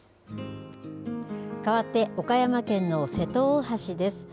かわって、岡山県の瀬戸大橋です。